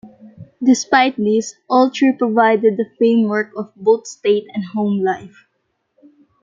Despite this, all three provided the framework of both state and home life.